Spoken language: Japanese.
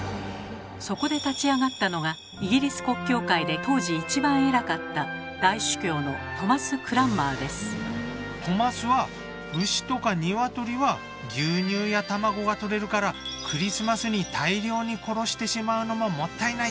そこで立ち上がったのがイギリス国教会で当時一番偉かったトマスは牛とか鶏は牛乳や卵がとれるからクリスマスに大量に殺してしまうのももったいない。